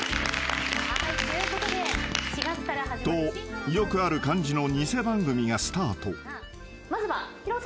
［とよくある感じの偽番組がスタート］